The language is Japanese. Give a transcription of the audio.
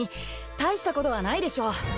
大したことはないでしょう。